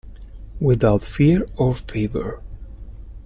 Without fear or favour.